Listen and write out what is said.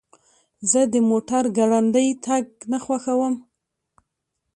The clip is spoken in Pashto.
زه د موټر ګړندی تګ نه خوښوم.